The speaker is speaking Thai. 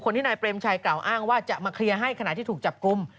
ที่นายเปรมชัยกล่าวอ้างว่าจะมาเคลียร์ให้ขณะที่ถูกจับกลุ่ม